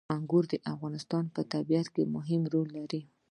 انګور د افغانستان په طبیعت کې مهم رول لري.